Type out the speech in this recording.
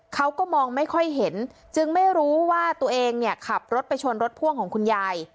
เขาก็มองไม่ค่อยเห็นจึงไม่รู้ว่าตัวเองเนี่ยขับรถไปชนรถพ่วงของคุณยาย